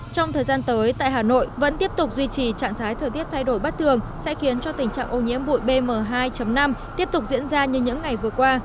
trong thời gian tới tại hà nội vẫn tiếp tục duy trì trạng thái thời tiết thay đổi bất thường sẽ khiến cho tình trạng ô nhiễm bụi bm hai năm tiếp tục diễn ra như những ngày vừa qua